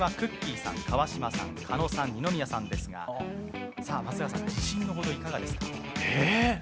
さん、川島さん、狩野さん、二宮さんですが、松坂さん、自信のほどはいかがですか？